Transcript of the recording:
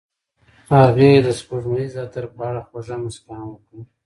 هغې د سپوږمیز عطر په اړه خوږه موسکا هم وکړه.